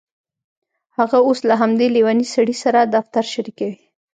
هغه اوس له همدې لیونۍ سړي سره دفتر شریکوي